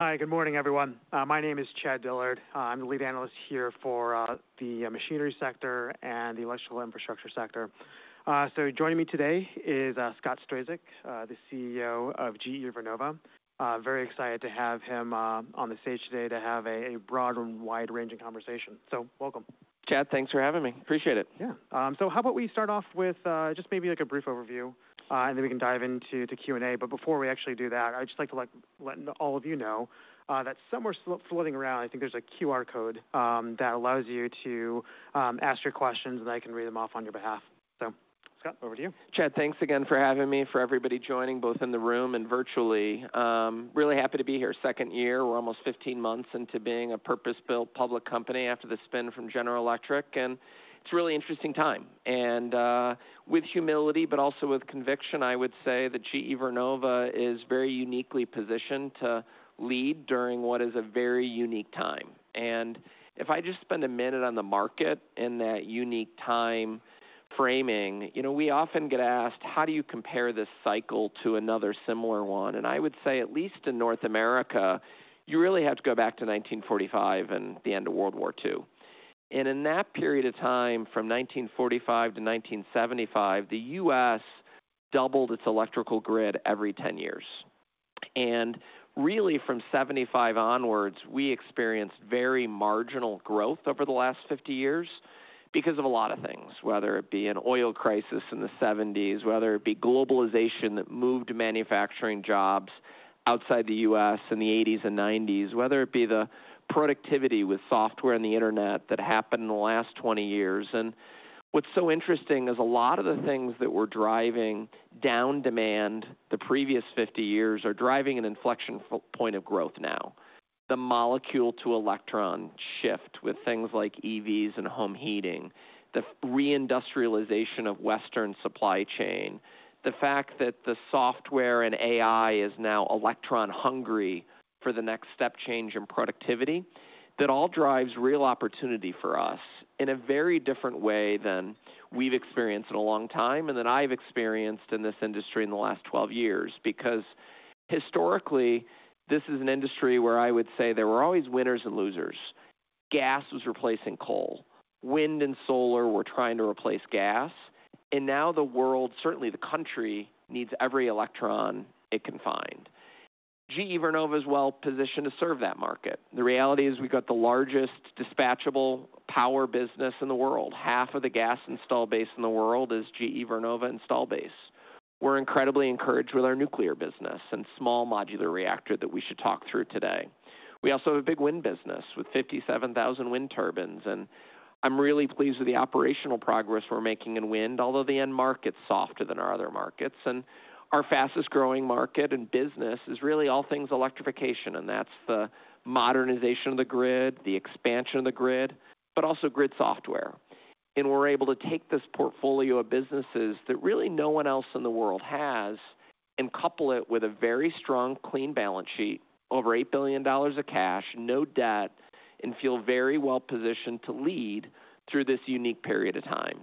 Hi, good morning, everyone. My name is Chad Dillard. I'm the lead analyst here for the machinery sector and the electrical infrastructure sector. Joining me today is Scott Strazik, the CEO of GE Vernova. Very excited to have him on the stage today to have a broad and wide-ranging conversation. Welcome. Chad, thanks for having me. Appreciate it. Yeah. How about we start off with just maybe like a brief overview, and then we can dive into Q&A. Before we actually do that, I'd just like to let all of you know that somewhere floating around, I think there's a QR code that allows you to ask your questions, and I can read them off on your behalf. Scott, over to you. Chad, thanks again for having me, for everybody joining, both in the room and virtually. Really happy to be here. Second year. We're almost 15 months into being a purpose-built public company after the spin from General Electric. It is a really interesting time. With humility, but also with conviction, I would say that GE Vernova is very uniquely positioned to lead during what is a very unique time. If I just spend a minute on the market in that unique time framing, you know we often get asked, how do you compare this cycle to another similar one? I would say, at least in North America, you really have to go back to 1945 and the end of World War II. In that period of time, from 1945 to 1975, the U.S. doubled its electrical grid every 10 years. Really, from 1975 onwards, we experienced very marginal growth over the last 50 years because of a lot of things, whether it be an oil crisis in the 1970s, whether it be globalization that moved manufacturing jobs outside the US in the 1980s and 1990s, whether it be the productivity with software and the internet that happened in the last 20 years. What is so interesting is a lot of the things that were driving down demand the previous 50 years are driving an inflection point of growth now. The molecule-to-electron shift with things like EVs and home heating, the reindustrialization of Western supply chain, the fact that the software and AI is now electron-hungry for the next step change in productivity, that all drives real opportunity for us in a very different way than we've experienced in a long time and that I've experienced in this industry in the last 12 years. Because historically, this is an industry where I would say there were always winners and losers. Gas was replacing coal. Wind and solar were trying to replace gas. Now the world, certainly the country, needs every electron it can find. GE Vernova is well positioned to serve that market. The reality is we've got the largest dispatchable power business in the world. Half of the gas install base in the world is GE Vernova install base. We're incredibly encouraged with our nuclear business and small modular reactor that we should talk through today. We also have a big wind business with 57,000 wind turbines. I'm really pleased with the operational progress we're making in wind, although the end market's softer than our other markets. Our fastest growing market and business is really all things electrification. That's the modernization of the grid, the expansion of the grid, but also grid software. We're able to take this portfolio of businesses that really no one else in the world has and couple it with a very strong clean balance sheet, over $8 billion of cash, no debt, and feel very well positioned to lead through this unique period of time.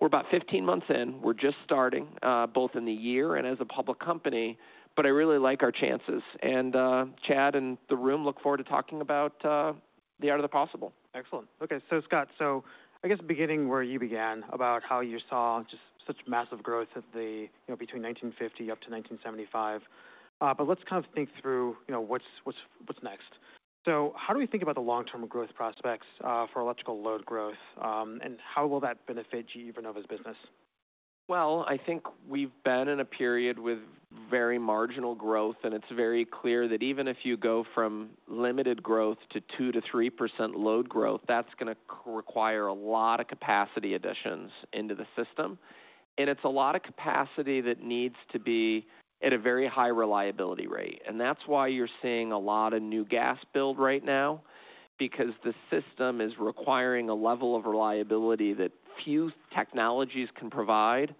We're about 15 months in. We're just starting, both in the year and as a public company. I really like our chances. Chad and the room look forward to talking about the art of the possible. Excellent. OK, Scott, I guess beginning where you began about how you saw just such massive growth between 1950 up to 1975. Let's kind of think through what's next. How do we think about the long-term growth prospects for electrical load growth, and how will that benefit GE Vernova's business? I think we've been in a period with very marginal growth. It's very clear that even if you go from limited growth to 2%-3% load growth, that's going to require a lot of capacity additions into the system. It's a lot of capacity that needs to be at a very high reliability rate. That's why you're seeing a lot of new gas build right now, because the system is requiring a level of reliability that few technologies can provide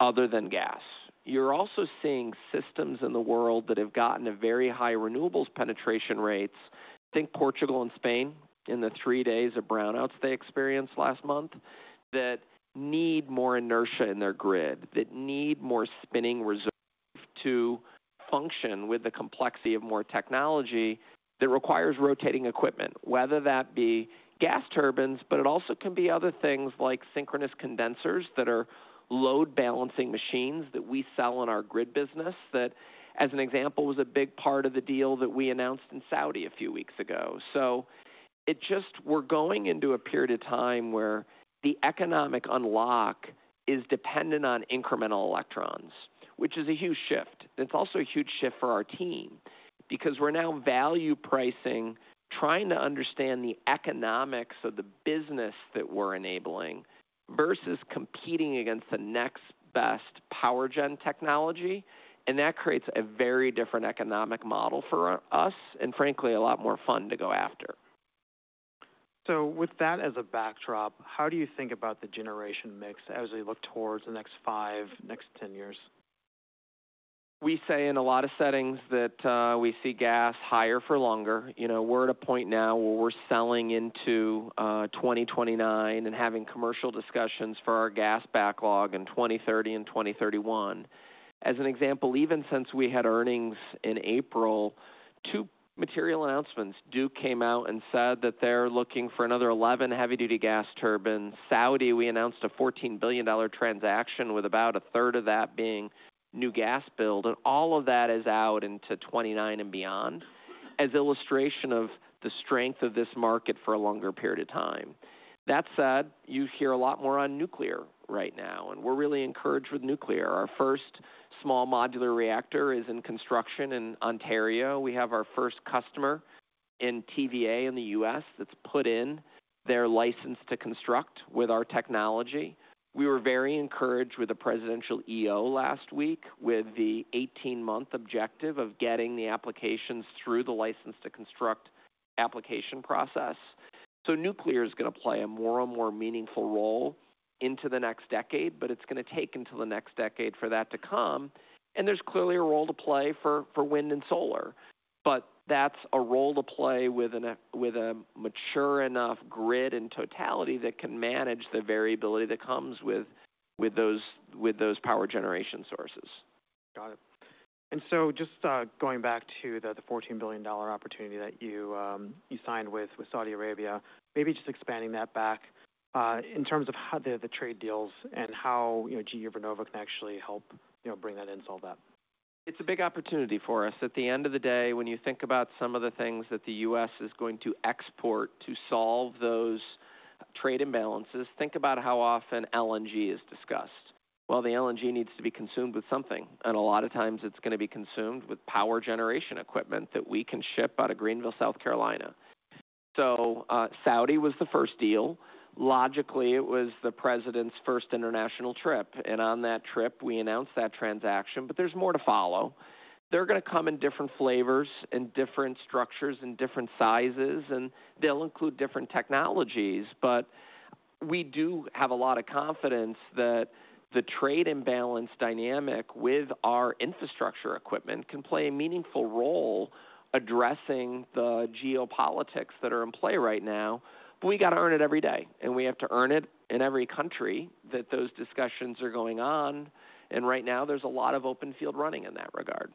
other than gas. You're also seeing systems in the world that have gotten very high renewables penetration rates. Think Portugal and Spain in the three days of brownouts they experienced last month that need more inertia in their grid, that need more spinning reserve to function with the complexity of more technology that requires rotating equipment, whether that be gas turbines, but it also can be other things like synchronous condensers that are load-balancing machines that we sell in our grid business that, as an example, was a big part of the deal that we announced in Saudi a few weeks ago. It just we're going into a period of time where the economic unlock is dependent on incremental electrons, which is a huge shift. It is also a huge shift for our team, because we're now value pricing, trying to understand the economics of the business that we're enabling versus competing against the next best power gen technology. That creates a very different economic model for us and, frankly, a lot more fun to go after. With that as a backdrop, how do you think about the generation mix as we look towards the next five, next 10 years? We say in a lot of settings that we see gas higher for longer. We're at a point now where we're selling into 2029 and having commercial discussions for our gas backlog in 2030 and 2031. As an example, even since we had earnings in April, two material announcements. Duke came out and said that they're looking for another 11 heavy-duty gas turbines. Saudi, we announced a $14 billion transaction, with about a third of that being new gas build. All of that is out into 2029 and beyond as illustration of the strength of this market for a longer period of time. That said, you hear a lot more on nuclear right now. We're really encouraged with nuclear. Our first small modular reactor is in construction in Ontario. We have our first customer in TVA in the US that's put in. They're licensed to construct with our technology. We were very encouraged with the presidential EO last week with the 18-month objective of getting the applications through the license to construct application process. Nuclear is going to play a more and more meaningful role into the next decade, but it's going to take until the next decade for that to come. There is clearly a role to play for wind and solar. That is a role to play with a mature enough grid in totality that can manage the variability that comes with those power generation sources. Got it. Just going back to the $14 billion opportunity that you signed with Saudi Arabia, maybe just expanding that back in terms of the trade deals and how GE Vernova can actually help bring that in, solve that. It's a big opportunity for us. At the end of the day, when you think about some of the things that the U.S. is going to export to solve those trade imbalances, think about how often LNG is discussed. The LNG needs to be consumed with something. A lot of times, it's going to be consumed with power generation equipment that we can ship out of Greenville, South Carolina. Saudi was the first deal. Logically, it was the President's first international trip. On that trip, we announced that transaction. There is more to follow. They're going to come in different flavors and different structures and different sizes. They'll include different technologies. We do have a lot of confidence that the trade imbalance dynamic with our infrastructure equipment can play a meaningful role addressing the geopolitics that are in play right now. We have to earn it every day. We have to earn it in every country that those discussions are going on. Right now, there is a lot of open field running in that regard.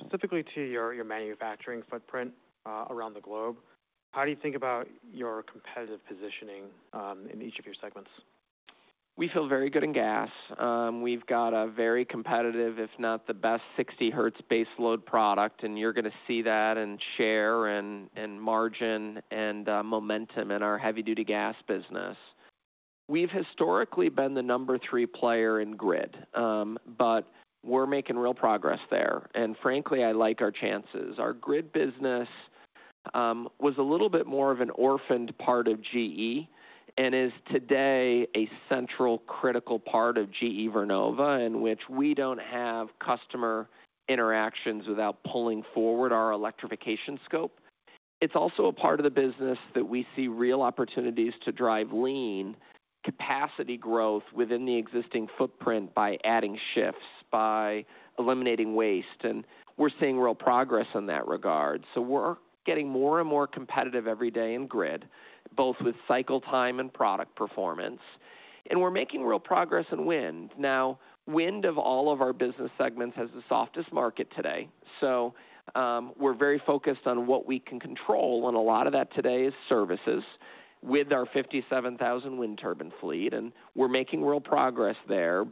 Specifically to your manufacturing footprint around the globe, how do you think about your competitive positioning in each of your segments? We feel very good in gas. We've got a very competitive, if not the best 60 hertz base load product. You're going to see that in share and margin and momentum in our heavy-duty gas business. We've historically been the number three player in grid. We're making real progress there. Frankly, I like our chances. Our grid business was a little bit more of an orphaned part of GE and is today a central critical part of GE Vernova, in which we don't have customer interactions without pulling forward our electrification scope. It's also a part of the business that we see real opportunities to drive lean capacity growth within the existing footprint by adding shifts, by eliminating waste. We're seeing real progress in that regard. We're getting more and more competitive every day in grid, both with cycle time and product performance. We are making real progress in wind. Now, wind of all of our business segments has the softest market today. We are very focused on what we can control. A lot of that today is services with our 57,000 wind turbine fleet. We are making real progress there.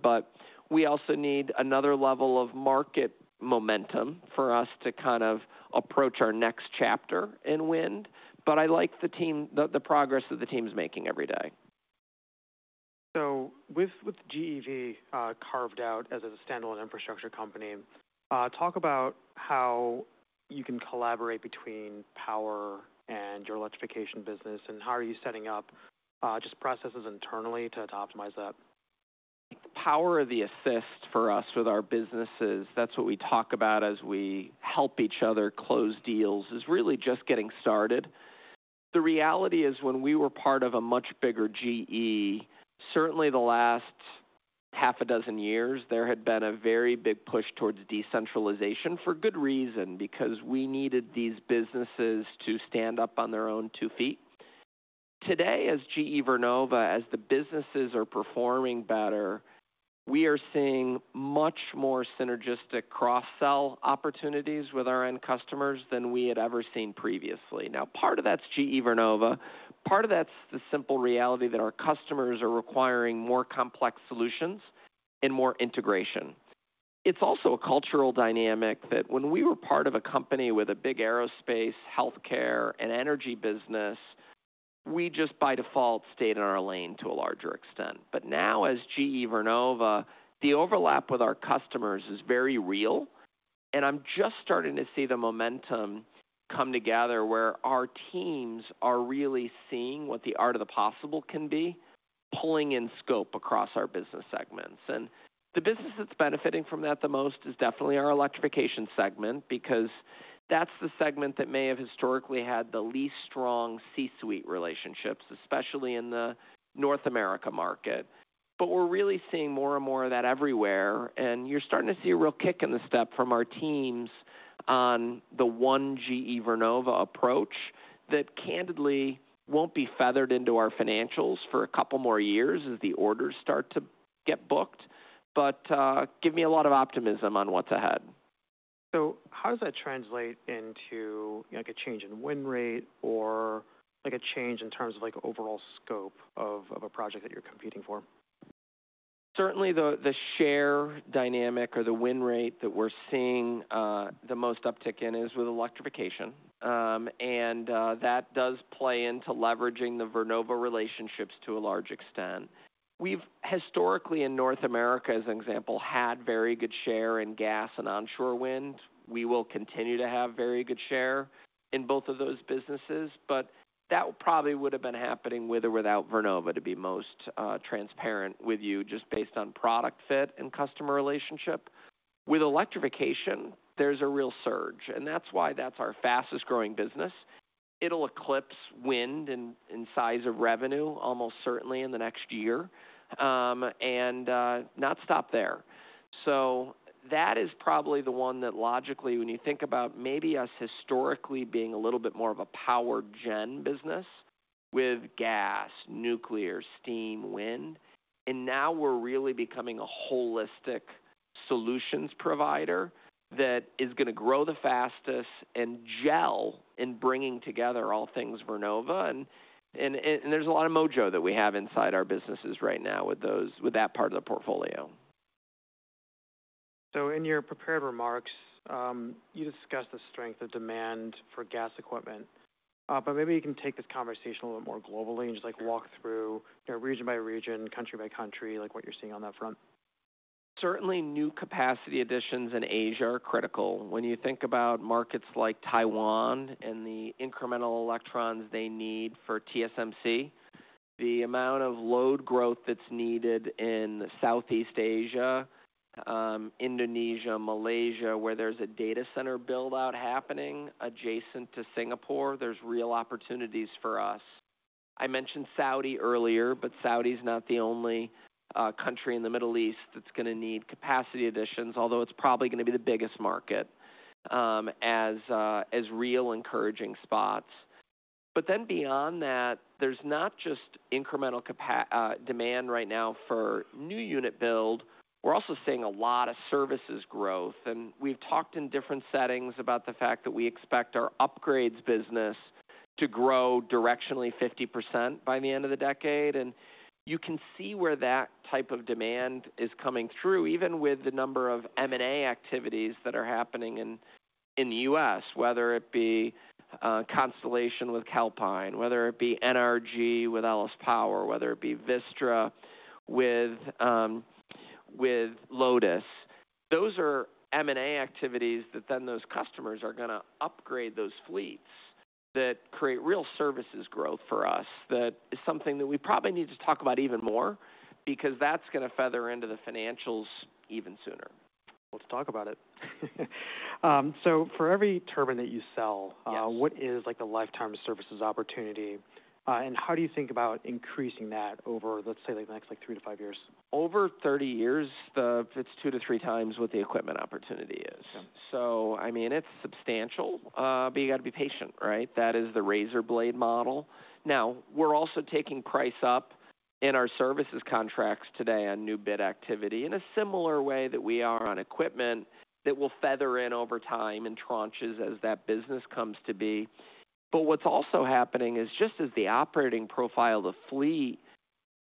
We also need another level of market momentum for us to kind of approach our next chapter in wind. I like the progress that the team is making every day. With GE Vernova carved out as a standalone infrastructure company, talk about how you can collaborate between power and your electrification business. How are you setting up just processes internally to optimize that? The power of the assist for us with our businesses, that's what we talk about as we help each other close deals, is really just getting started. The reality is when we were part of a much bigger GE, certainly the last half a dozen years, there had been a very big push towards decentralization for good reason, because we needed these businesses to stand up on their own two feet. Today, as GE Vernova, as the businesses are performing better, we are seeing much more synergistic cross-sell opportunities with our end customers than we had ever seen previously. Now, part of that's GE Vernova. Part of that's the simple reality that our customers are requiring more complex solutions and more integration. It's also a cultural dynamic that when we were part of a company with a big aerospace, health care, and energy business, we just by default stayed in our lane to a larger extent. Now, as GE Vernova, the overlap with our customers is very real. I'm just starting to see the momentum come together where our teams are really seeing what the art of the possible can be, pulling in scope across our business segments. The business that's benefiting from that the most is definitely our electrification segment, because that's the segment that may have historically had the least strong C-suite relationships, especially in the North America market. We're really seeing more and more of that everywhere. You are starting to see a real kick in the step from our teams on the one GE Vernova approach that candidly will not be feathered into our financials for a couple more years as the orders start to get booked. It gives me a lot of optimism on what is ahead. How does that translate into a change in win rate or a change in terms of overall scope of a project that you're competing for? Certainly, the share dynamic or the win rate that we're seeing the most uptick in is with electrification. That does play into leveraging the Vernova relationships to a large extent. We've historically, in North America, as an example, had very good share in gas and onshore wind. We will continue to have very good share in both of those businesses. That probably would have been happening with or without Vernova, to be most transparent with you, just based on product fit and customer relationship. With electrification, there's a real surge. That's why that's our fastest growing business. It'll eclipse wind in size of revenue, almost certainly in the next year, and not stop there. That is probably the one that logically, when you think about maybe us historically being a little bit more of a power gen business with gas, nuclear, steam, wind, and now we're really becoming a holistic solutions provider that is going to grow the fastest and gel in bringing together all things Vernova. There is a lot of mojo that we have inside our businesses right now with that part of the portfolio. In your prepared remarks, you discussed the strength of demand for gas equipment. Maybe you can take this conversation a little bit more globally and just walk through region by region, country by country, what you're seeing on that front. Certainly, new capacity additions in Asia are critical. When you think about markets like Taiwan and the incremental electrons they need for TSMC, the amount of load growth that's needed in Southeast Asia, Indonesia, Malaysia, where there's a data center build-out happening adjacent to Singapore, there's real opportunities for us. I mentioned Saudi earlier, but Saudi is not the only country in the Middle East that's going to need capacity additions, although it's probably going to be the biggest market as real encouraging spots. Beyond that, there's not just incremental demand right now for new unit build. We're also seeing a lot of services growth. We've talked in different settings about the fact that we expect our upgrades business to grow directionally 50% by the end of the decade. You can see where that type of demand is coming through, even with the number of M&A activities that are happening in the U.S., whether it be Constellation with Calpine, whether it be NRG with LS Power, whether it be Vistra with Lotus. Those are M&A activities that then those customers are going to upgrade those fleets that create real services growth for us. That is something that we probably need to talk about even more, because that is going to feather into the financials even sooner. Let's talk about it. For every turbine that you sell, what is the lifetime of services opportunity? How do you think about increasing that over, let's say, the next three to five years? Over 30 years, it's two to three times what the equipment opportunity is. I mean, it's substantial, but you've got to be patient, right? That is the razor blade model. Now, we're also taking price up in our services contracts today on new bid activity in a similar way that we are on equipment that will feather in over time in tranches as that business comes to be. What's also happening is just as the operating profile of the fleet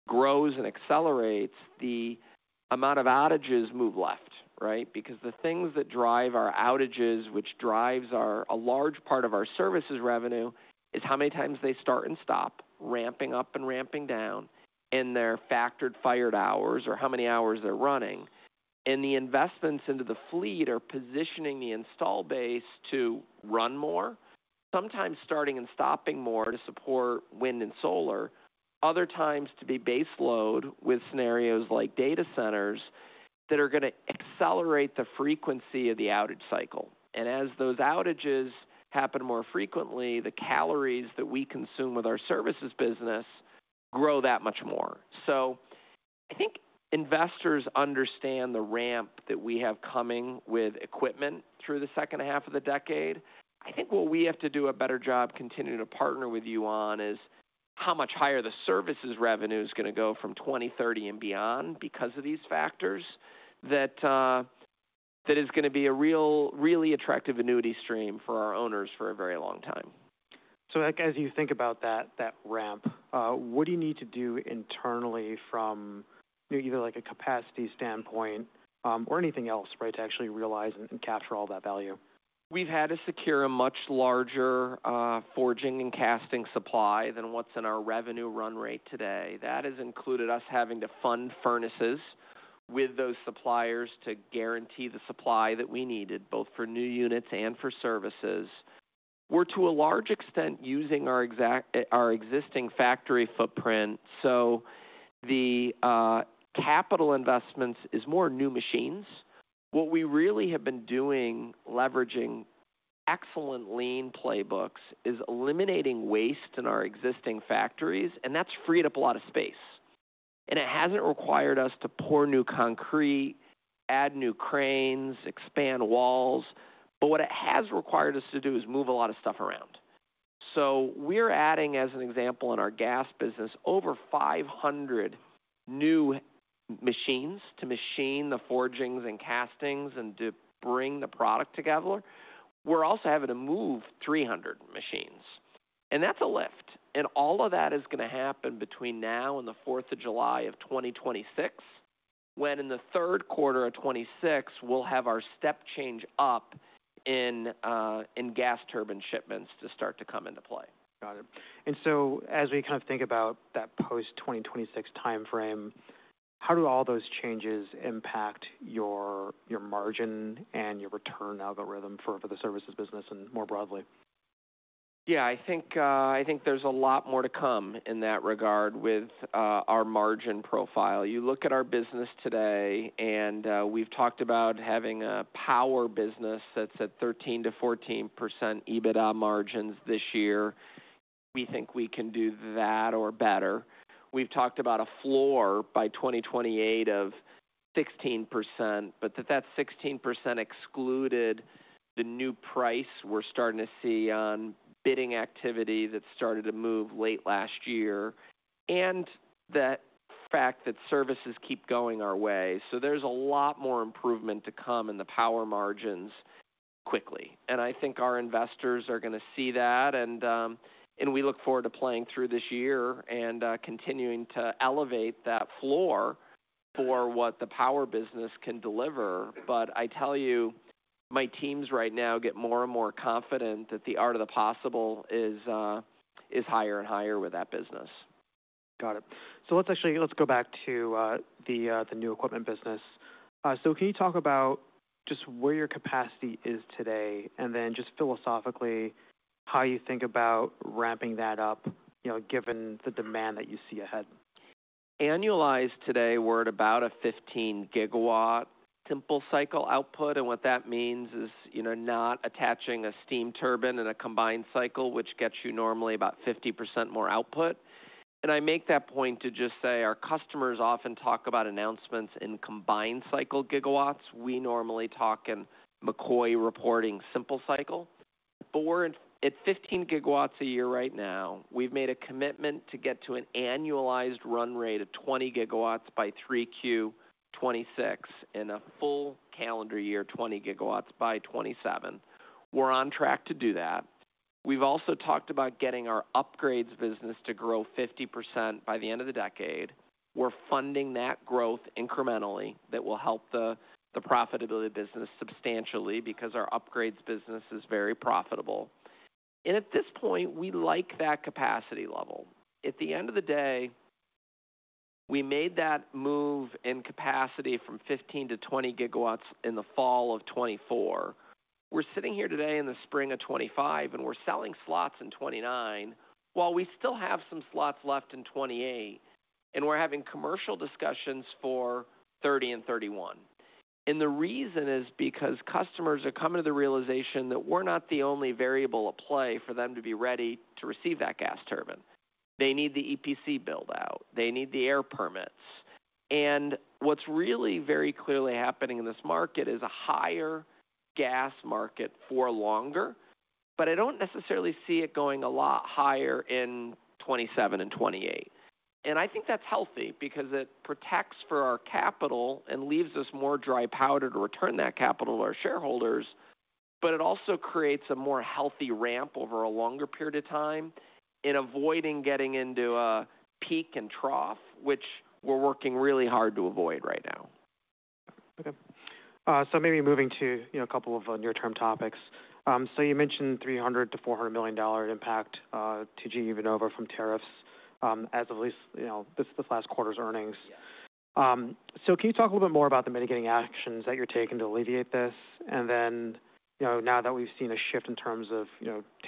grows and accelerates, the amount of outages move left, right? Because the things that drive our outages, which drives a large part of our services revenue, is how many times they start and stop, ramping up and ramping down in their factored fired hours or how many hours they're running. The investments into the fleet are positioning the install base to run more, sometimes starting and stopping more to support wind and solar, other times to be base load with scenarios like data centers that are going to accelerate the frequency of the outage cycle. As those outages happen more frequently, the calories that we consume with our services business grow that much more. I think investors understand the ramp that we have coming with equipment through the second half of the decade. I think what we have to do a better job continuing to partner with you on is how much higher the services revenue is going to go from 2030 and beyond because of these factors that is going to be a really attractive annuity stream for our owners for a very long time. As you think about that ramp, what do you need to do internally from either a capacity standpoint or anything else to actually realize and capture all that value? We've had to secure a much larger forging and casting supply than what's in our revenue run rate today. That has included us having to fund furnaces with those suppliers to guarantee the supply that we needed, both for new units and for services. We're, to a large extent, using our existing factory footprint. The capital investments is more new machines. What we really have been doing, leveraging excellent lean playbooks, is eliminating waste in our existing factories. That has freed up a lot of space. It hasn't required us to pour new concrete, add new cranes, expand walls. What it has required us to do is move a lot of stuff around. We're adding, as an example, in our gas business, over 500 new machines to machine the forgings and castings and to bring the product together. We're also having to move 300 machines. That is a lift. All of that is going to happen between now and the 4th of July of 2026, when in the third quarter of 2026, we will have our step change up in gas turbine shipments to start to come into play. Got it. As we kind of think about that post 2026 time frame, how do all those changes impact your margin and your return algorithm for the services business and more broadly? Yeah, I think there's a lot more to come in that regard with our margin profile. You look at our business today, and we've talked about having a power business that's at 13%-14% EBITDA margins this year. We think we can do that or better. We've talked about a floor by 2028 of 16%. That 16% excluded the new price we're starting to see on bidding activity that started to move late last year and the fact that services keep going our way. There's a lot more improvement to come in the power margins quickly. I think our investors are going to see that. We look forward to playing through this year and continuing to elevate that floor for what the power business can deliver. I tell you, my teams right now get more and more confident that the art of the possible is higher and higher with that business. Got it. Let's actually go back to the new equipment business. Can you talk about just where your capacity is today and then just philosophically how you think about ramping that up, given the demand that you see ahead? Annualized today, we're at about a 15 GW simple cycle output. What that means is not attaching a steam turbine in a combined cycle, which gets you normally about 50% more output. I make that point to just say our customers often talk about announcements in combined cycle gigawatts. We normally talk in McCoy reporting simple cycle. We're at 15 GW a year right now. We've made a commitment to get to an annualized run rate of 20 GW by 3Q 2026 and a full calendar year 20 GW by 2027. We're on track to do that. We've also talked about getting our upgrades business to grow 50% by the end of the decade. We're funding that growth incrementally. That will help the profitability business substantially because our upgrades business is very profitable. At this point, we like that capacity level. At the end of the day, we made that move in capacity from 15 GW-20 GW in the fall of 2024. We're sitting here today in the spring of 2025, and we're selling slots in 2029 while we still have some slots left in 2028. We're having commercial discussions for 2030 and 2031. The reason is because customers are coming to the realization that we're not the only variable at play for them to be ready to receive that gas turbine. They need the EPC build-out. They need the air permits. What's really very clearly happening in this market is a higher gas market for longer. I don't necessarily see it going a lot higher in 2027 and 2028. I think that's healthy because it protects for our capital and leaves us more dry powder to return that capital to our shareholders. It also creates a more healthy ramp over a longer period of time and avoids getting into a peak and trough, which we are working really hard to avoid right now. Okay. Maybe moving to a couple of near-term topics. You mentioned $300-$400 million impact to GE Vernova from tariffs as of at least this last quarter's earnings. Can you talk a little bit more about the mitigating actions that you're taking to alleviate this? Now that we've seen a shift in terms of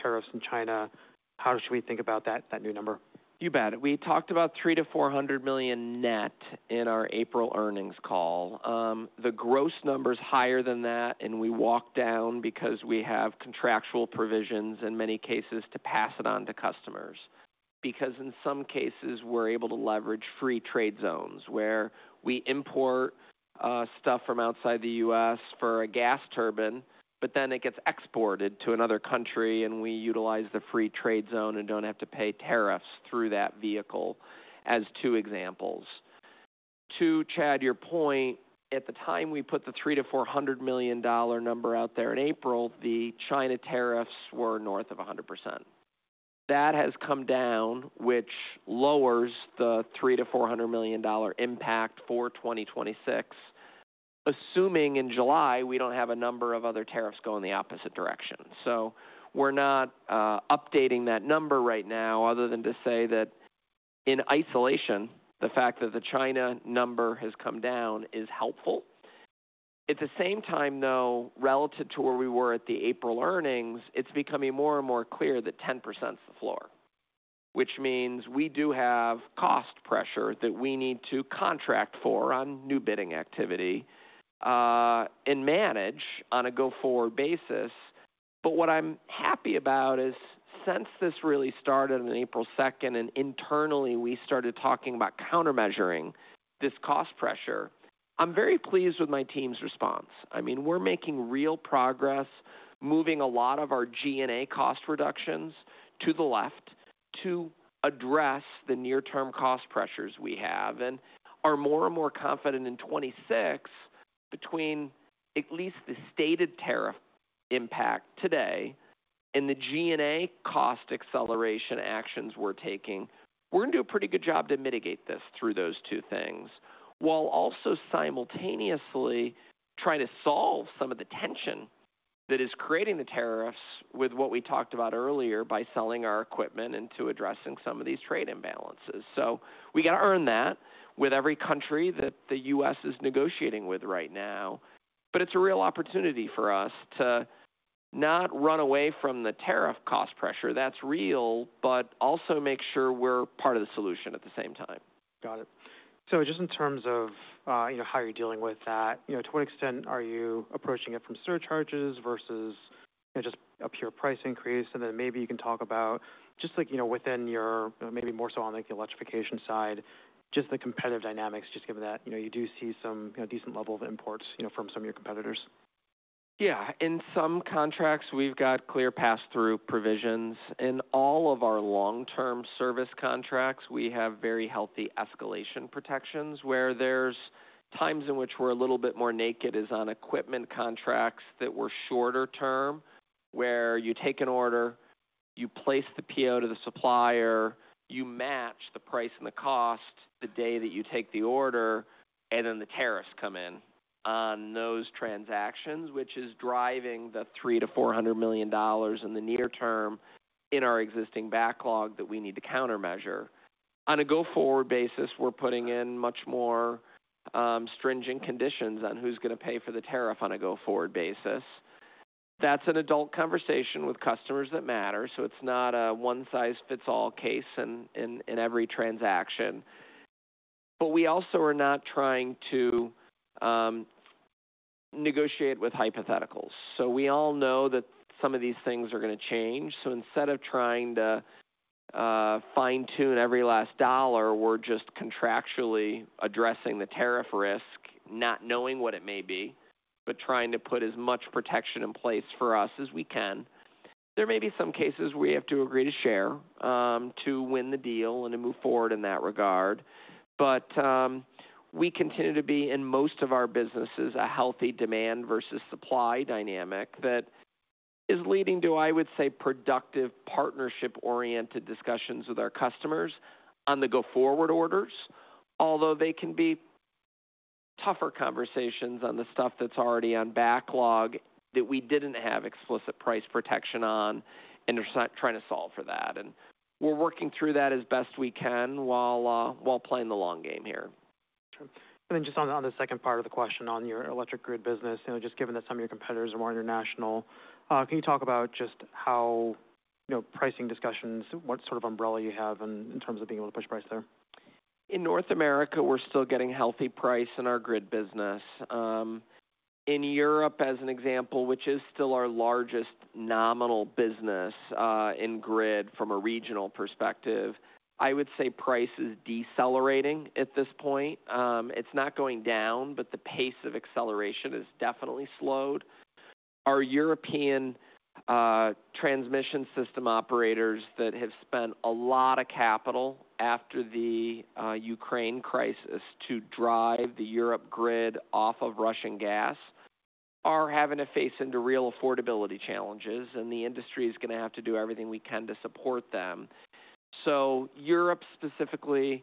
tariffs in China, how should we think about that new number? You bet. We talked about $300-$400 million net in our April earnings call. The gross number's higher than that, and we walked down because we have contractual provisions in many cases to pass it on to customers. Because in some cases, we're able to leverage free trade zones where we import stuff from outside the U.S. for a gas turbine, but then it gets exported to another country, and we utilize the free trade zone and do not have to pay tariffs through that vehicle, as two examples. To Chad, your point, at the time we put the $300-$400 million number out there in April, the China tariffs were north of 100%. That has come down, which lowers the $300-$400 million impact for 2026, assuming in July we do not have a number of other tariffs going the opposite direction. We're not updating that number right now other than to say that in isolation, the fact that the China number has come down is helpful. At the same time, though, relative to where we were at the April earnings, it's becoming more and more clear that 10% is the floor, which means we do have cost pressure that we need to contract for on new bidding activity and manage on a go-forward basis. What I'm happy about is since this really started on April second and internally we started talking about counter measuring this cost pressure, I'm very pleased with my team's response. I mean, we're making real progress, moving a lot of our G&A cost reductions to the left to address the near-term cost pressures we have. We are more and more confident in 2026 between at least the stated tariff impact today and the G&A cost acceleration actions we are taking. We are going to do a pretty good job to mitigate this through those two things while also simultaneously trying to solve some of the tension that is creating the tariffs with what we talked about earlier by selling our equipment and addressing some of these trade imbalances. We have to earn that with every country that the U.S. is negotiating with right now. It is a real opportunity for us to not run away from the tariff cost pressure that is real, but also make sure we are part of the solution at the same time. Got it. Just in terms of how you're dealing with that, to what extent are you approaching it from surcharges versus just a pure price increase? Maybe you can talk about just within your, maybe more so on the electrification side, just the competitive dynamics, just given that you do see some decent level of imports from some of your competitors. Yeah. In some contracts, we've got clear pass-through provisions. In all of our long-term service contracts, we have very healthy escalation protections where there's times in which we're a little bit more naked is on equipment contracts that were shorter term, where you take an order, you place the PO to the supplier, you match the price and the cost the day that you take the order, and then the tariffs come in on those transactions, which is driving the $300-$400 million in the near term in our existing backlog that we need to countermeasure. On a go-forward basis, we're putting in much more stringent conditions on who's going to pay for the tariff on a go-forward basis. That's an adult conversation with customers that matter. It is not a one-size-fits-all case in every transaction. We also are not trying to negotiate with hypotheticals. We all know that some of these things are going to change. Instead of trying to fine-tune every last dollar, we're just contractually addressing the tariff risk, not knowing what it may be, but trying to put as much protection in place for us as we can. There may be some cases we have to agree to share to win the deal and to move forward in that regard. We continue to be in most of our businesses a healthy demand versus supply dynamic that is leading to, I would say, productive partnership-oriented discussions with our customers on the go-forward orders, although they can be tougher conversations on the stuff that's already on backlog that we didn't have explicit price protection on and are trying to solve for that. We're working through that as best we can while playing the long game here. Just on the second part of the question on your electric grid business, just given that some of your competitors are more international, can you talk about just how pricing discussions, what sort of umbrella you have in terms of being able to push price there? In North America, we're still getting healthy price in our grid business. In Europe, as an example, which is still our largest nominal business in grid from a regional perspective, I would say price is decelerating at this point. It's not going down, but the pace of acceleration has definitely slowed. Our European transmission system operators that have spent a lot of capital after the Ukraine crisis to drive the Europe grid off of Russian gas are having to face into real affordability challenges. The industry is going to have to do everything we can to support them. Europe specifically,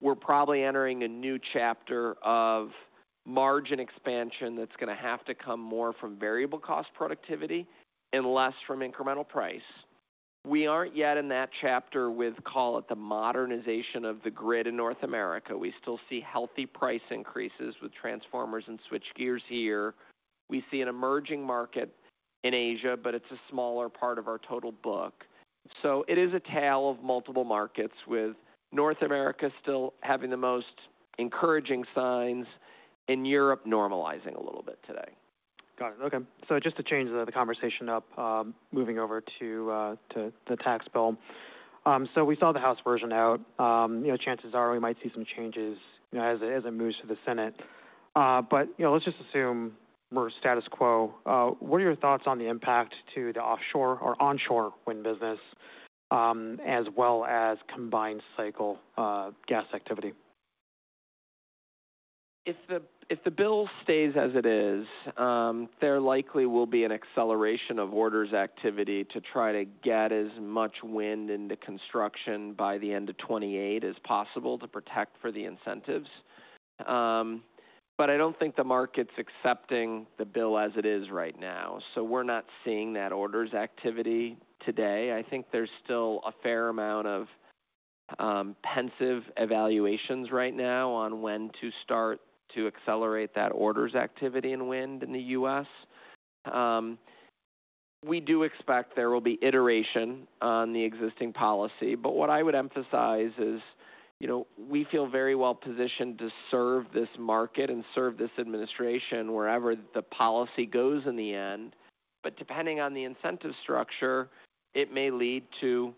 we're probably entering a new chapter of margin expansion that's going to have to come more from variable cost productivity and less from incremental price. We aren't yet in that chapter with, call it, the modernization of the grid in North America. We still see healthy price increases with transformers and switchgears here. We see an emerging market in Asia, but it's a smaller part of our total book. So it is a tale of multiple markets with North America still having the most encouraging signs and Europe normalizing a little bit today. Got it. Okay. Just to change the conversation up, moving over to the tax bill. We saw the House version out. Chances are we might see some changes as it moves to the Senate. Let's just assume we're status quo. What are your thoughts on the impact to the offshore or onshore wind business as well as combined cycle gas activity? If the bill stays as it is, there likely will be an acceleration of orders activity to try to get as much wind into construction by the end of 2028 as possible to protect for the incentives. I do not think the market's accepting the bill as it is right now. We are not seeing that orders activity today. I think there is still a fair amount of pensive evaluations right now on when to start to accelerate that orders activity in wind in the U.S. We do expect there will be iteration on the existing policy. What I would emphasize is we feel very well positioned to serve this market and serve this administration wherever the policy goes in the end. Depending on the incentive structure, it may lead to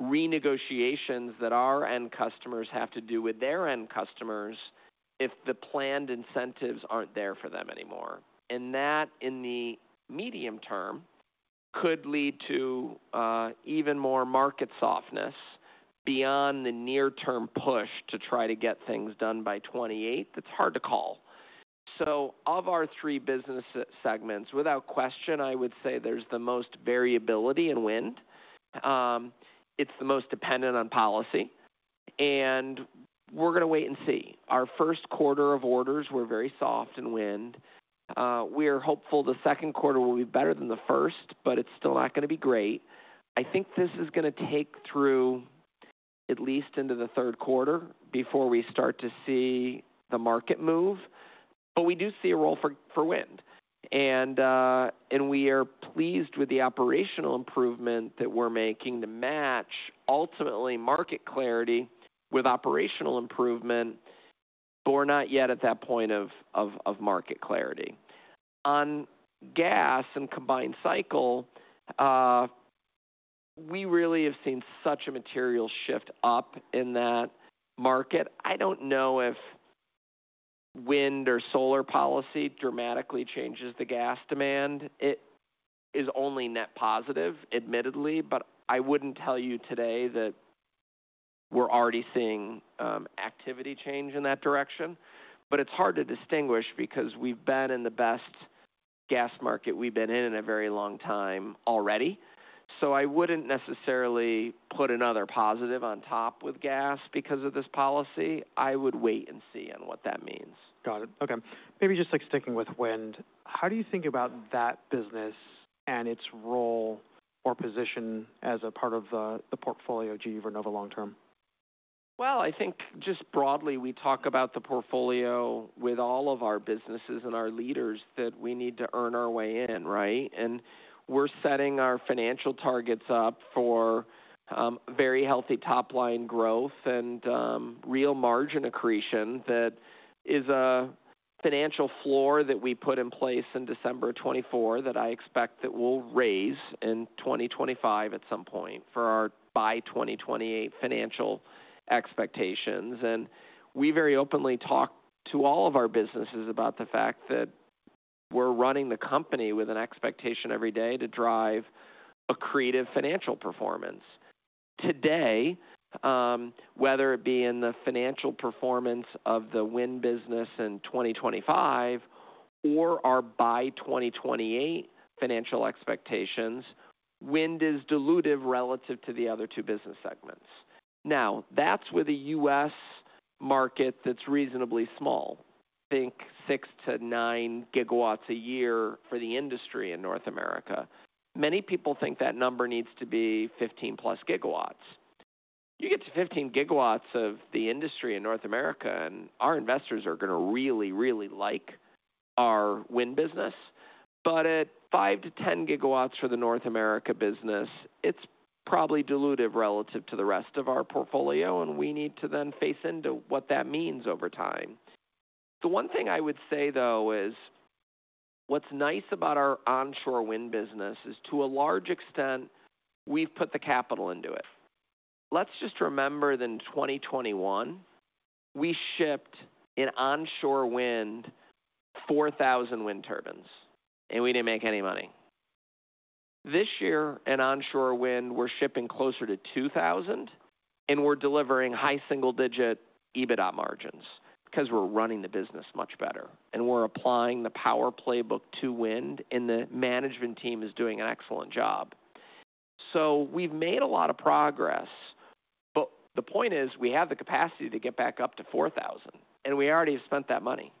renegotiations that our end customers have to do with their end customers if the planned incentives are not there for them anymore. That in the medium term could lead to even more market softness beyond the near-term push to try to get things done by 2028. That is hard to call. Of our three business segments, without question, I would say there is the most variability in wind. It is the most dependent on policy. We are going to wait and see. Our first quarter of orders were very soft in wind. We are hopeful the second quarter will be better than the first, but it is still not going to be great. I think this is going to take through at least into the third quarter before we start to see the market move. We do see a role for wind. We are pleased with the operational improvement that we're making to match ultimately market clarity with operational improvement, but we're not yet at that point of market clarity. On gas and combined cycle, we really have seen such a material shift up in that market. I do not know if wind or solar policy dramatically changes the gas demand. It is only net positive, admittedly, but I would not tell you today that we're already seeing activity change in that direction. It is hard to distinguish because we've been in the best gas market we've been in in a very long time already. I would not necessarily put another positive on top with gas because of this policy. I would wait and see on what that means. Got it. Okay. Maybe just sticking with wind, how do you think about that business and its role or position as a part of the portfolio GE Vernova long-term? I think just broadly, we talk about the portfolio with all of our businesses and our leaders that we need to earn our way in, right? We are setting our financial targets up for very healthy top-line growth and real margin accretion that is a financial floor that we put in place in December 2024 that I expect that we will raise in 2025 at some point for our by 2028 financial expectations. We very openly talk to all of our businesses about the fact that we are running the company with an expectation every day to drive accretive financial performance. Today, whether it be in the financial performance of the wind business in 2025 or our by 2028 financial expectations, wind is dilutive relative to the other two business segments. Now, that's with a US market that's reasonably small, I think 6-9 GW a year for the industry in North America. Many people think that number needs to be 15-plus GW. You get to 15 GW of the industry in North America, and our investors are going to really, really like our wind business. At 5-10 GW for the North America business, it's probably dilutive relative to the rest of our portfolio, and we need to then face into what that means over time. The one thing I would say, though, is what's nice about our onshore wind business is to a large extent, we've put the capital into it. Let's just remember that in 2021, we shipped in onshore wind 4,000 wind turbines, and we did not make any money. This year in onshore wind, we're shipping closer to 2,000, and we're delivering high single-digit EBITDA margins because we're running the business much better. We're applying the power playbook to wind, and the management team is doing an excellent job. We've made a lot of progress. The point is we have the capacity to get back up to 4,000, and we already have spent that money.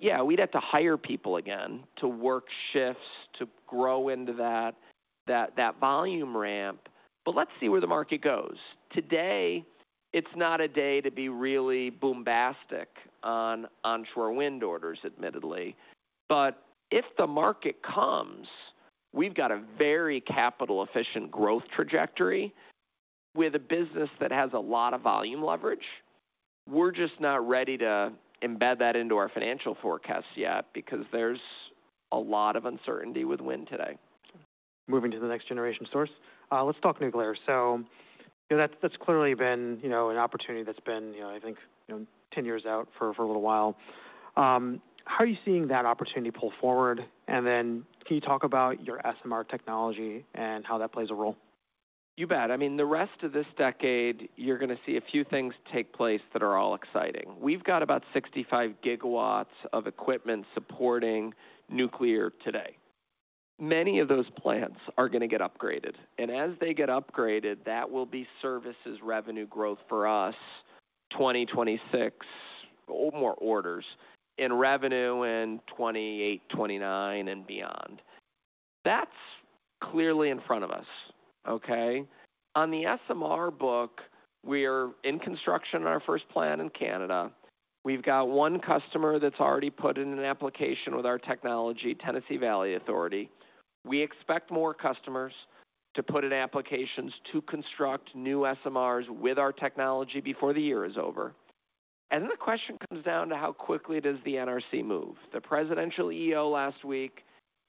Yeah, we'd have to hire people again to work shifts to grow into that volume ramp. Let's see where the market goes. Today, it's not a day to be really boom bastic on onshore wind orders, admittedly. If the market comes, we've got a very capital-efficient growth trajectory with a business that has a lot of volume leverage. We're just not ready to embed that into our financial forecasts yet because there's a lot of uncertainty with wind today. Moving to the next generation source, let's talk nuclear. That's clearly been an opportunity that's been, I think, 10 years out for a little while. How are you seeing that opportunity pull forward? Can you talk about your SMR technology and how that plays a role? You bet. I mean, the rest of this decade, you're going to see a few things take place that are all exciting. We've got about 65 GW of equipment supporting nuclear today. Many of those plants are going to get upgraded. As they get upgraded, that will be services revenue growth for us 2026, more orders in revenue in 2028, 2029, and beyond. That's clearly in front of us, okay? On the SMR book, we are in construction on our first plant in Canada. We've got one customer that's already put in an application with our technology, Tennessee Valley Authority. We expect more customers to put in applications to construct new SMRs with our technology before the year is over. The question comes down to how quickly does the NRC move. The presidential EO last week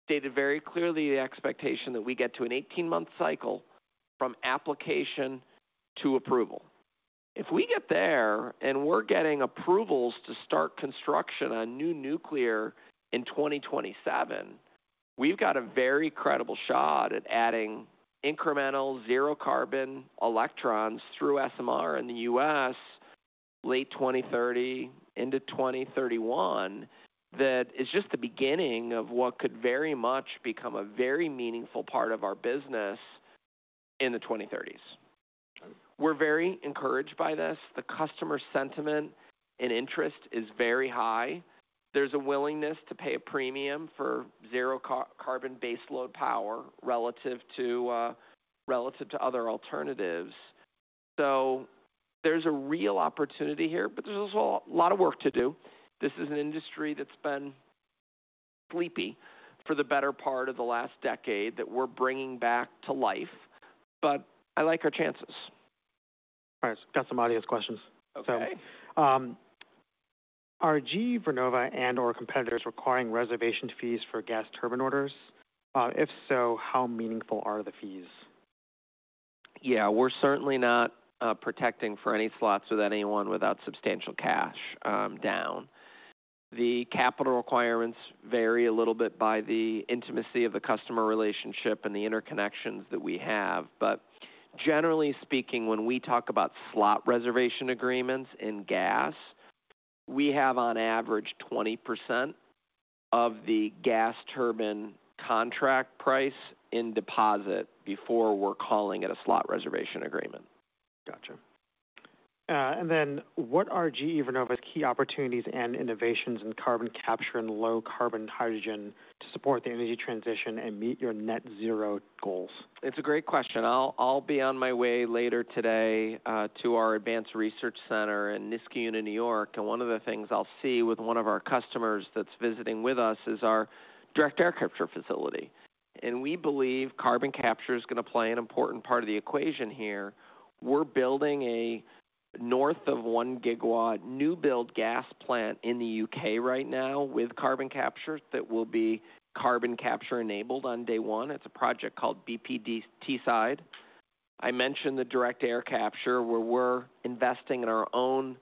stated very clearly the expectation that we get to an 18-month cycle from application to approval. If we get there and we're getting approvals to start construction on new nuclear in 2027, we've got a very credible shot at adding incremental zero-carbon electrons through SMR in the U.S. late 2030 into 2031. That is just the beginning of what could very much become a very meaningful part of our business in the 2030s. We're very encouraged by this. The customer sentiment and interest is very high. There's a willingness to pay a premium for zero-carbon baseload power relative to other alternatives. There is a real opportunity here, but there's also a lot of work to do. This is an industry that's been sleepy for the better part of the last decade that we're bringing back to life. I like our chances. All right. Got some audience questions. Okay. Are GE Vernova and/or competitors requiring reservation fees for gas turbine orders? If so, how meaningful are the fees? Yeah. We're certainly not protecting for any slots with anyone without substantial cash down. The capital requirements vary a little bit by the intimacy of the customer relationship and the interconnections that we have. Generally speaking, when we talk about slot reservation agreements in gas, we have on average 20% of the gas turbine contract price in deposit before we're calling it a slot reservation agreement. Gotcha. What are GE Vernova's key opportunities and innovations in carbon capture and low-carbon hydrogen to support the energy transition and meet your net zero goals? It's a great question. I'll be on my way later today to our Advanced Research Center in Niskayuna, New York. One of the things I'll see with one of our customers that's visiting with us is our direct air capture facility. We believe carbon capture is going to play an important part of the equation here. We're building a north of one gigawatt new-build gas plant in the U.K. right now with carbon capture that will be carbon capture enabled on day one. It's a project called BPD Teesside. I mentioned the direct air capture where we're investing in our own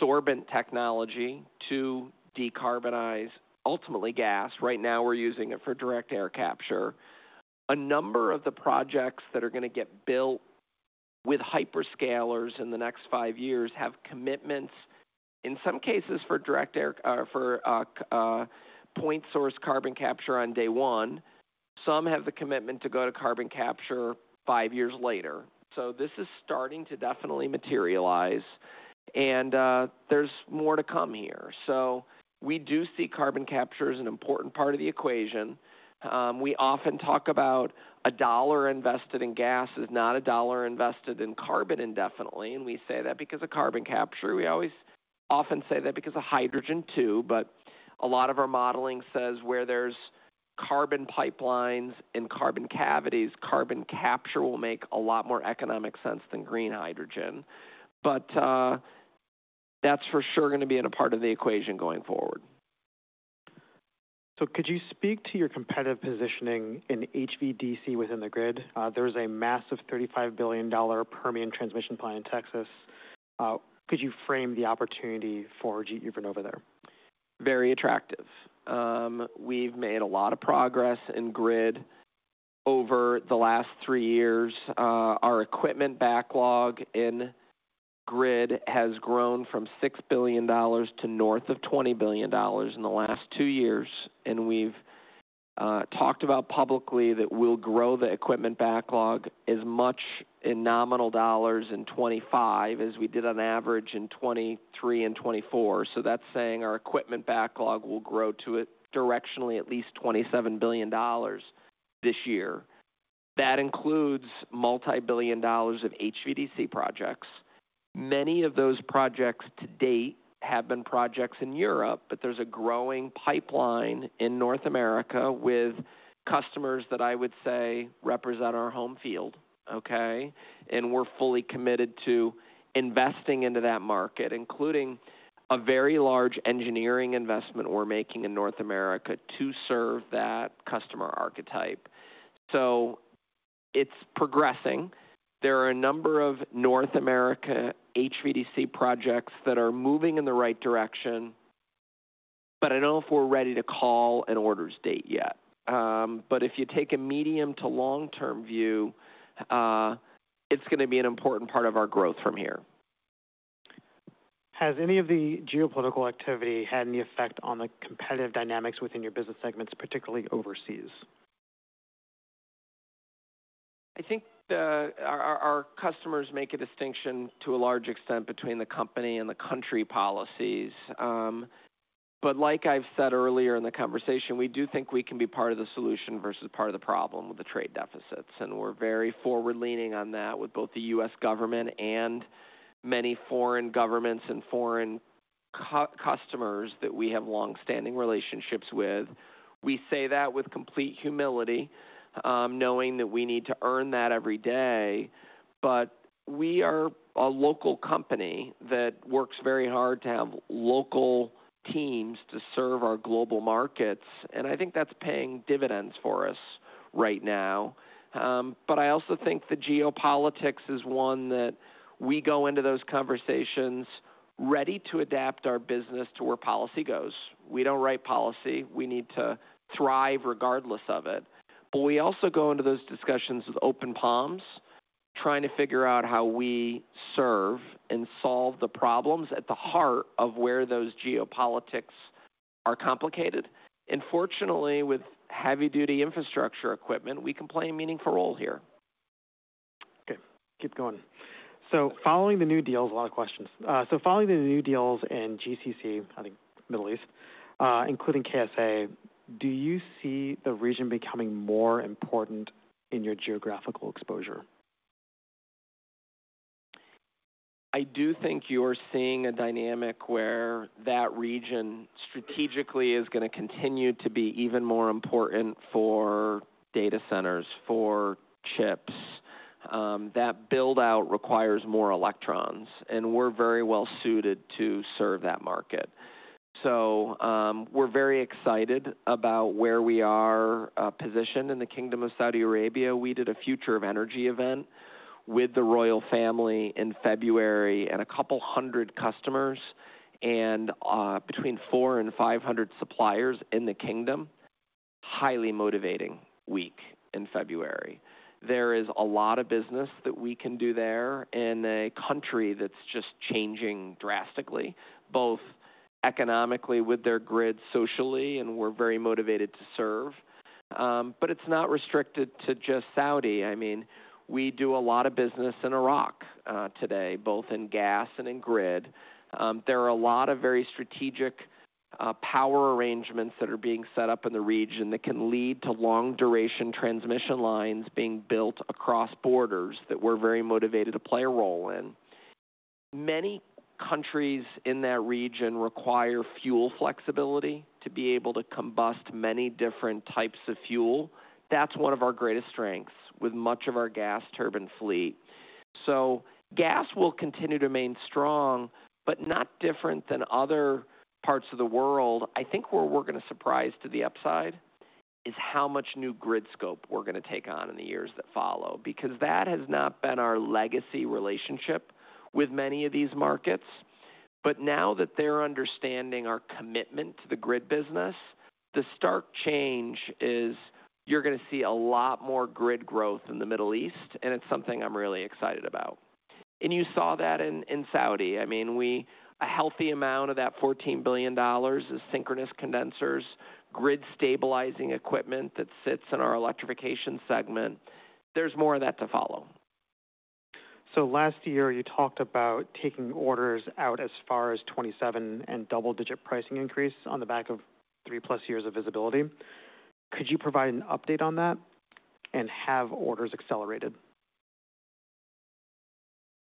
sorbent technology to decarbonize ultimately gas. Right now, we're using it for direct air capture. A number of the projects that are going to get built with hyperscalers in the next five years have commitments, in some cases, for point source carbon capture on day one. Some have the commitment to go to carbon capture five years later. This is starting to definitely materialize. There is more to come here. We do see carbon capture as an important part of the equation. We often talk about a dollar invested in gas is not a dollar invested in carbon indefinitely. We say that because of carbon capture. We often say that because of hydrogen too. A lot of our modeling says where there are carbon pipelines and carbon cavities, carbon capture will make a lot more economic sense than green hydrogen. That is for sure going to be a part of the equation going forward. Could you speak to your competitive positioning in HVDC within the grid? There's a massive $35 billion Permian transmission plant in Texas. Could you frame the opportunity for GE Vernova there? Very attractive. We've made a lot of progress in grid over the last three years. Our equipment backlog in grid has grown from $6 billion to north of $20 billion in the last two years. We've talked about publicly that we'll grow the equipment backlog as much in nominal dollars in 2025 as we did on average in 2023 and 2024. That is saying our equipment backlog will grow to directionally at least $27 billion this year. That includes multi-billion dollars of HVDC projects. Many of those projects to date have been projects in Europe, but there's a growing pipeline in North America with customers that I would say represent our home field, okay? We're fully committed to investing into that market, including a very large engineering investment we're making in North America to serve that customer archetype. It's progressing. There are a number of North America HVDC projects that are moving in the right direction, but I don't know if we're ready to call an orders date yet. If you take a medium to long-term view, it's going to be an important part of our growth from here. Has any of the geopolitical activity had any effect on the competitive dynamics within your business segments, particularly overseas? I think our customers make a distinction to a large extent between the company and the country policies. Like I have said earlier in the conversation, we do think we can be part of the solution versus part of the problem with the trade deficits. We are very forward-leaning on that with both the U.S. government and many foreign governments and foreign customers that we have long-standing relationships with. We say that with complete humility, knowing that we need to earn that every day. We are a local company that works very hard to have local teams to serve our global markets. I think that is paying dividends for us right now. I also think the geopolitics is one that we go into those conversations ready to adapt our business to where policy goes. We do not write policy. We need to thrive regardless of it. We also go into those discussions with open palms, trying to figure out how we serve and solve the problems at the heart of where those geopolitics are complicated. Fortunately, with heavy-duty infrastructure equipment, we can play a meaningful role here. Okay. Keep going. Following the new deals, a lot of questions. Following the new deals in GCC, I think Middle East, including KSA, do you see the region becoming more important in your geographical exposure? I do think you're seeing a dynamic where that region strategically is going to continue to be even more important for data centers, for chips. That buildout requires more electrons. And we're very well suited to serve that market. We are very excited about where we are positioned in the Kingdom of Saudi Arabia. We did a Future of Energy event with the royal family in February and a couple hundred customers and between 400 and 500 suppliers in the kingdom. Highly motivating week in February. There is a lot of business that we can do there in a country that's just changing drastically, both economically with their grid, socially, and we're very motivated to serve. It is not restricted to just Saudi. I mean, we do a lot of business in Iraq today, both in gas and in grid. There are a lot of very strategic power arrangements that are being set up in the region that can lead to long-duration transmission lines being built across borders that we are very motivated to play a role in. Many countries in that region require fuel flexibility to be able to combust many different types of fuel. That is one of our greatest strengths with much of our gas turbine fleet. Gas will continue to remain strong, but not different than other parts of the world. I think where we are going to surprise to the upside is how much new grid scope we are going to take on in the years that follow because that has not been our legacy relationship with many of these markets. Now that they're understanding our commitment to the grid business, the stark change is you're going to see a lot more grid growth in the Middle East, and it's something I'm really excited about. You saw that in Saudi. I mean, a healthy amount of that $14 billion is synchronous condensers, grid stabilizing equipment that sits in our electrification segment. There's more of that to follow. Last year, you talked about taking orders out as far as 2027 and double-digit pricing increase on the back of three-plus years of visibility. Could you provide an update on that and have orders accelerated?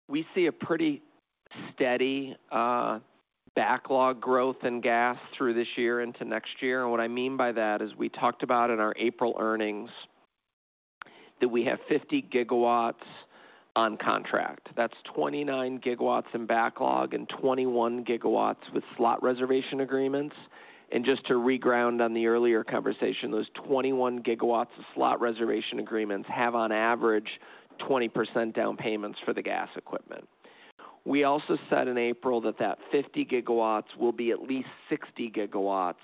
We see a pretty steady backlog growth in gas through this year into next year. What I mean by that is we talked about in our April earnings that we have 50 GW on contract. That is 29 GW in backlog and 21 GW with slot reservation agreements. Just to reground on the earlier conversation, those 21 GW of slot reservation agreements have on average 20% down payments for the gas equipment. We also said in April that that 50 GW will be at least 60 GW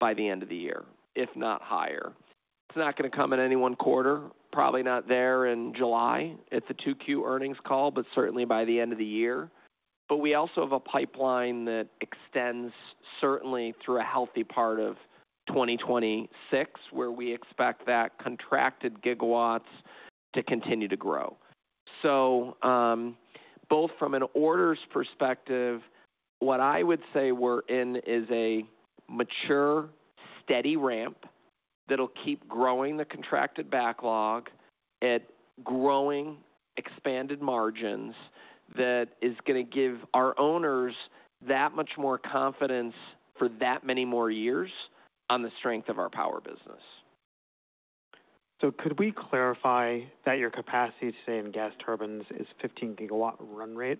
by the end of the year, if not higher. It is not going to come in any one quarter. Probably not there in July. It is a 2Q earnings call, but certainly by the end of the year. We also have a pipeline that extends certainly through a healthy part of 2026 where we expect that contracted gigawatts to continue to grow. Both from an orders perspective, what I would say we're in is a mature, steady ramp that'll keep growing the contracted backlog at growing expanded margins that is going to give our owners that much more confidence for that many more years on the strength of our power business. Could we clarify that your capacity today in gas turbines is 15 GW run rate?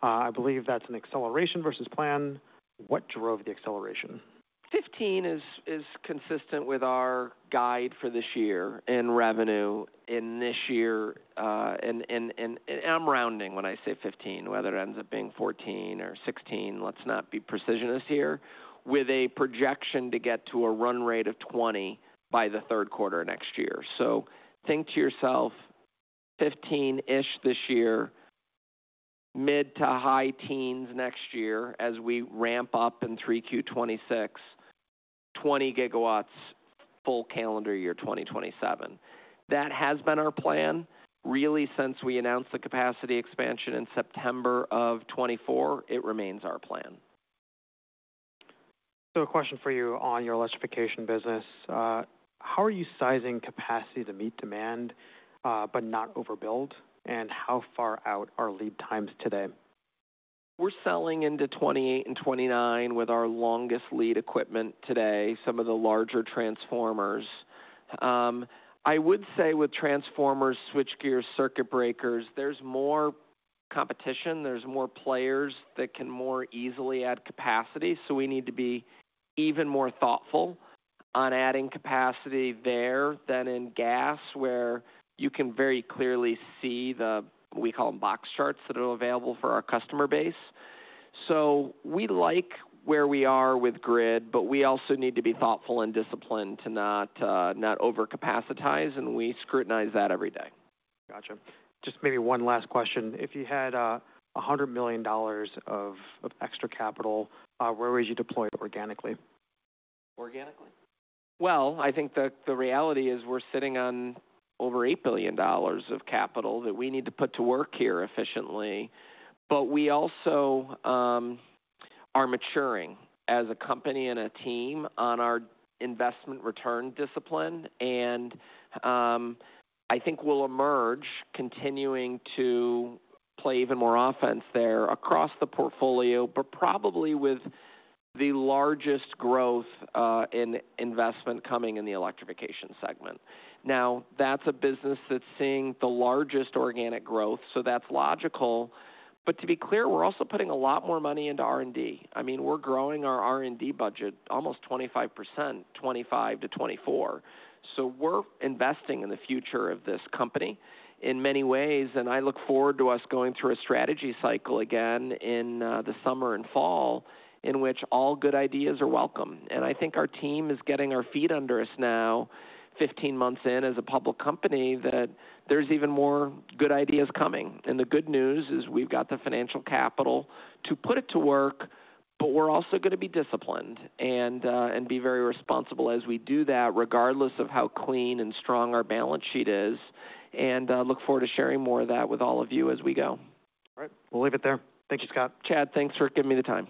I believe that's an acceleration versus plan. What drove the acceleration? 15 is consistent with our guide for this year in revenue in this year. I am rounding when I say 15, whether it ends up being 14 or 16, let's not be precisionist here, with a projection to get to a run rate of 20 by the third quarter next year. Think to yourself 15-ish this year, mid to high teens next year as we ramp up in 3Q 2026, 20 GW full calendar year 2027. That has been our plan. Really, since we announced the capacity expansion in September of 2024, it remains our plan. A question for you on your electrification business. How are you sizing capacity to meet demand but not overbuild? How far out are lead times today? We're selling into 2028 and 2029 with our longest lead equipment today, some of the larger transformers. I would say with transformers, switchgears, circuit breakers, there's more competition. There's more players that can more easily add capacity. We need to be even more thoughtful on adding capacity there than in gas where you can very clearly see the, we call them box charts that are available for our customer base. We like where we are with grid, but we also need to be thoughtful and disciplined to not over capacitize. We scrutinize that every day. Gotcha. Just maybe one last question. If you had $100 million of extra capital, where would you deploy it organically? Organically? I think the reality is we're sitting on over $8 billion of capital that we need to put to work here efficiently. We also are maturing as a company and a team on our investment return discipline. I think we'll emerge continuing to play even more offense there across the portfolio, probably with the largest growth in investment coming in the electrification segment. Now, that's a business that's seeing the largest organic growth, so that's logical. To be clear, we're also putting a lot more money into R&D. I mean, we're growing our R&D budget almost 25%, 25-24. We're investing in the future of this company in many ways. I look forward to us going through a strategy cycle again in the summer and fall in which all good ideas are welcome. I think our team is getting our feet under us now, 15 months in as a public company, that there's even more good ideas coming. The good news is we've got the financial capital to put it to work, but we're also going to be disciplined and be very responsible as we do that, regardless of how clean and strong our balance sheet is. I look forward to sharing more of that with all of you as we go. All right. We'll leave it there. Thank you, Scott. Chad, thanks for giving me the time.